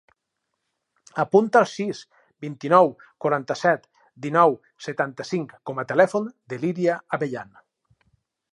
Apunta el sis, vint-i-nou, quaranta-set, dinou, setanta-cinc com a telèfon de l'Iria Abellan.